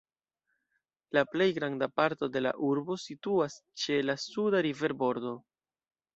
La plej granda parto de la urbo situas ĉe la suda riverbordo.